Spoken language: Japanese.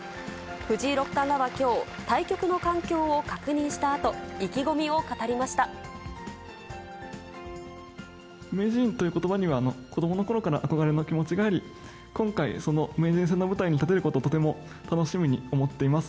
藤井六冠らはきょう、対局の環境を確認したあと、意気込みを語り名人ということばには、子どものころから憧れの気持ちがあり、今回、その名人戦の舞台に立てることをとても楽しみに思っています。